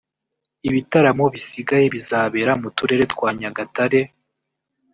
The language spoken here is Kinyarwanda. Ibitaramo bisigaye bizabera mu turere twa Nyagatare